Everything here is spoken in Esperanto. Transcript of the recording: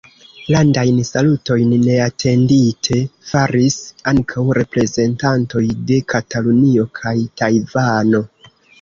Landajn salutojn neatendite faris ankaŭ reprezentantoj de Katalunio kaj Tajvano.